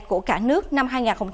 của cả nước năm hai nghìn hai mươi ba